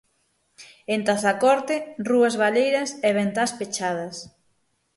En Tazacorte, rúas baleiras e ventás pechadas.